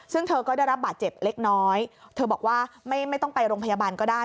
ซึ่งเธอก็ได้รับบาดเจ็บเล็กน้อยเธอบอกว่าไม่ต้องไปโรงพยาบาลก็ได้